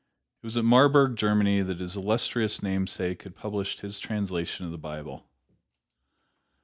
It was at Marburg, Germany, that his illustrious namesake had published his translation of the Bible.